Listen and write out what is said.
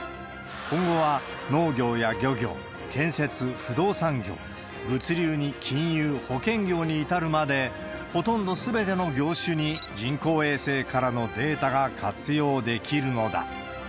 今後は農業や漁業、建設、不動産業、物流に金融、保険業に至るまで、ほとんどすべての業種に人工衛星からのデータが活用できるのだ。